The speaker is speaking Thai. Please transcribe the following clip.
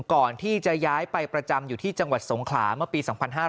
ก่อนที่จะย้ายไปประจำอยู่ที่จังหวัดสงขลาเมื่อปี๒๕๕๙